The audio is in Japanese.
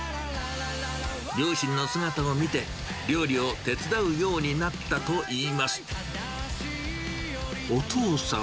両親の姿を見て、料理を手伝うようになったといいます。